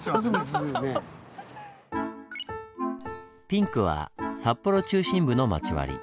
ピンクは札幌中心部の町割り。